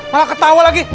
malah ketawa lagi